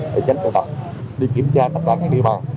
để tránh tụ tập đi kiểm tra tất cả các địa bàn